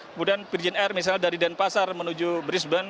kemudian virgin air misalnya dari denpasar menuju brisbane